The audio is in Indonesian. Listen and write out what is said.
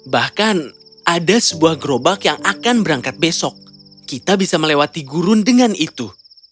bahkan ada sebuah gerobak yang akan berangkat besok kita bisa melewati gurun dengan itu